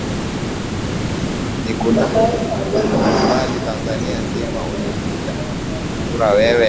ni kunamkumbali tanzania zima ulipiga kura wewe